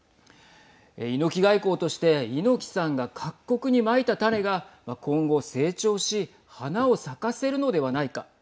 猪木外交として猪木さんが各国にまいた種が今後、成長し花を咲かせるのではないか。